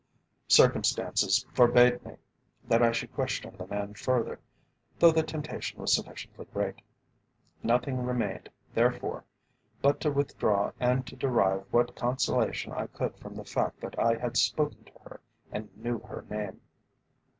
Circumstances forbade me that I should question the man further, though the temptation was sufficiently great. Nothing remained, therefore, but to withdraw and to derive what consolation I could from the fact that I had spoken to her and knew her name.